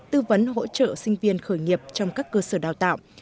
tư vấn hỗ trợ sinh viên khởi nghiệp trong các cơ sở đào tạo